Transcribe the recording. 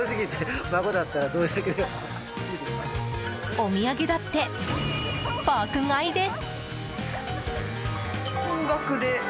お土産だって爆買いです。